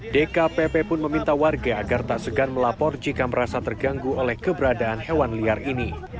dkpp pun meminta warga agar tak segan melapor jika merasa terganggu oleh keberadaan hewan liar ini